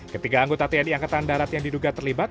ketiga anggota tni angkatan darat yang diduga terlibat